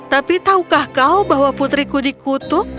tapi tahukah kau bahwa putriku dikutuk